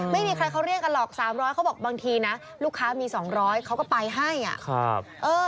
ไม่มีใครเขาเรียกกันหรอก๓๐๐เขาบอกบางทีนะลูกค้ามี๒๐๐เขาก็ไปให้อ่ะ